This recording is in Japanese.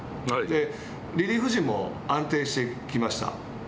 リリーフ陣も安定してきました。